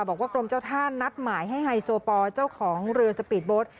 กรมเจ้าท่านัดหมายให้ไฮโซปอลเจ้าของเรือสปีดโบสต์